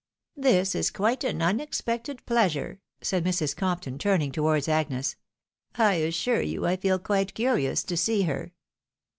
" This is quite an unexpected pleasure," said Mrs. Compton, turning towards Agnes. " I assure you I feel quite curious to see her."